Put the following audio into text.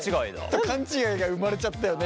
勘違いが生まれちゃったよね